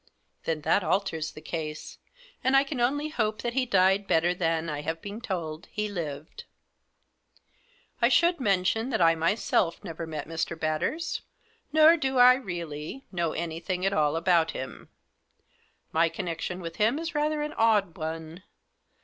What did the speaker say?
" Then that alters the case. And I can only hope that he died better than, I have been told, he lived." "I should mention that I myself never met Mr. Batters, nor do I, really, know anything at aH about him. My connection with him is rather an odd one.